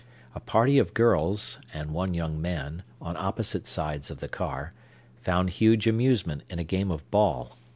A party of girls, and one young man, on opposite sides of the car, found huge amusement in a game of ball.